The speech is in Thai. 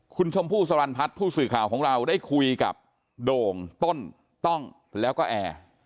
คุณชมพู่สรรพัฒน์ผู้สื่อข่าวของเราได้คุยกับโด่งต้นต้องแล้วก็แอร์